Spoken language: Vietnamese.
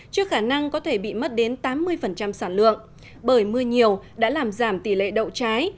trước khả năng có thể bị mất đến tám mươi sản lượng bởi mưa nhiều đã làm giảm tỷ lệ đậu trái